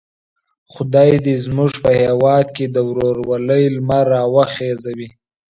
خدای دې زموږ په هیواد کې د ورورولۍ لمر را وخېژوي.